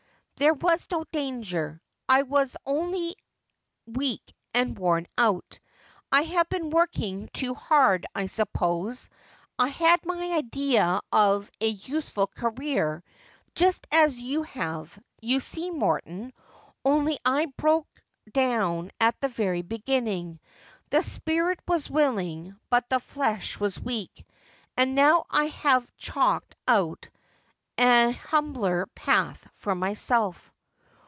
' There was no danger. I was only weak and worn out. I had been working too hard, 1 suppose. I had my idea of a useful career, just as you have, you see, Morton : only I broke down at the very beginning. The spirit was willing, but the flesh was weak. And now 1 have chalked out an humbler path for myself.'